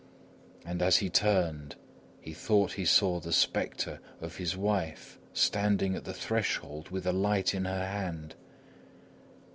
And as he turned around, he thought he saw the spectre of his wife standing at the threshold with a light in her hand.